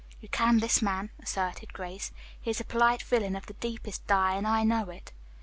"You can this man," asserted Grace. "He is a polite villain of the deepest dye, and I know it."